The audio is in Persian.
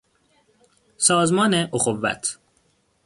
سازمان اخوت